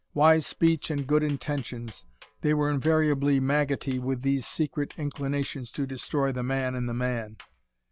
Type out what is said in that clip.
Wise speech and good intentions they were invariably maggoty with these secret inclinations to destroy the man in the man.